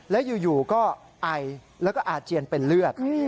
แล้วอยู่ก็ไอแล้วก็อาเจียนเป็นเลือด